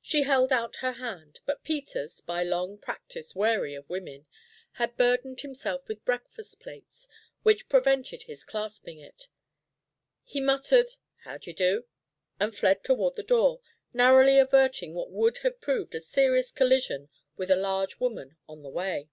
She held out her hand, but Peters, by long practise wary of women, had burdened himself with breakfast plates which prevented his clasping it. He muttered "How d'ye do?" and fled toward the door, narrowly averting what would have proved a serious collision with the large woman on the way.